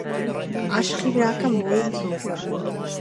عاشقی براکەم بوویت؟